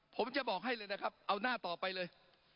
ผมจะบอกให้เลยนะครับเอาหน้าต่อไปเลย